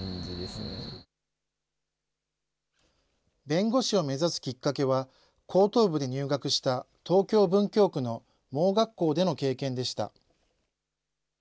弁護士を目指すきっかけは、高等部で入学した東京・文京区の盲学校での経験でした。